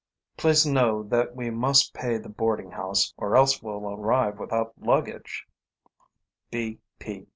Please know that we must pay the boarding house, or else we'll arrive without luggage.